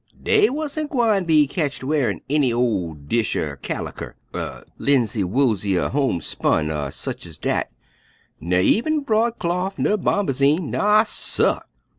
Dey wan't gwine be ketched wearin' any er dish yer kaliker, er linsey woolsey, er homespun er sech ez dat, ner even broadclawf, ner bombazine, naw suh!